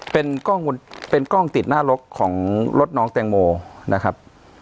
เป็นกล้องติดหน้ารถของรถน้องแตงโมนะครับ